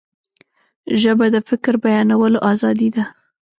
ژبه د فکر بیانولو آزادي ده